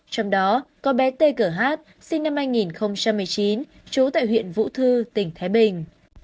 trong đó có bé tê cửa hát sinh năm hai nghìn một mươi chín trú tại huyện vũ thư tỉnh thái bình